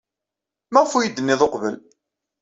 Maɣef ur iyi-d-tennid uqbel?